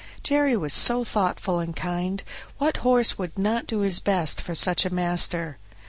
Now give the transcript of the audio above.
Jerry was so thoughtful and kind what horse would not do his best for such a master?